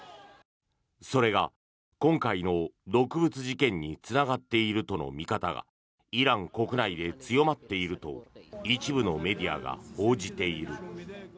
それが今回の毒物事件につながっているとの見方がイラン国内で強まっていると一部のメディアが報じている。